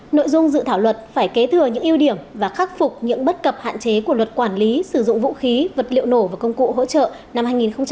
nội dung dự thảo luật phải kế thừa những ưu điểm và khắc phục những bất cập hạn chế của luật quản lý sử dụng vũ khí vật liệu nổ và công cụ hỗ trợ năm hai nghìn một mươi ba